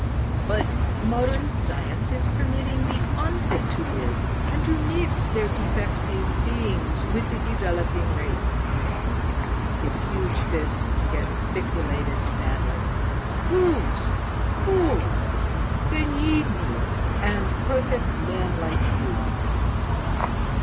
But modern science is permitting the unfit to live and to mix their defective beings with the developing race!" His huge fist gesticulated madly. "Fools! Fools! They need me and perfect men like you."